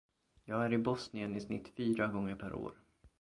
Jag är i Bosnien i snitt fyra gånger per år.